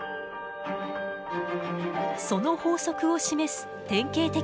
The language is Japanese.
その法則を示す典型的な一例です。